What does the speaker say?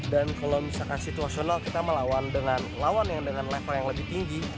dan kalau misalkan situasional kita melawan dengan lawan yang dengan level yang lebih tinggi